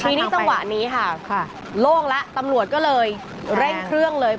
ทีนี้จังหวะนี้ค่ะโล่งแล้วตำรวจก็เลยเร่งเครื่องเลย